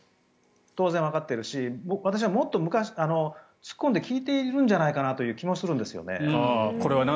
当然わかってるし私、もっと突っ込んで聞いてるんじゃないかと思うんですよね。